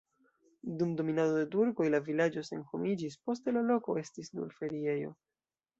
Dum dominado de turkoj la vilaĝo senhomiĝis, poste la loko estis nur feriejo.